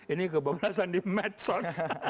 ini kebablasan di medsos